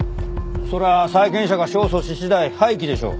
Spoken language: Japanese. そりゃあ債権者が勝訴し次第廃棄でしょう。